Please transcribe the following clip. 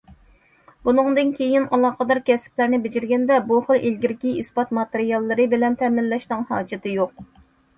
بۇنىڭدىن كېيىن ئالاقىدار كەسىپلەرنى بېجىرگەندە، بۇ خىل ئىلگىرىكى ئىسپات ماتېرىياللىرى بىلەن تەمىنلەشنىڭ ھاجىتى يوق.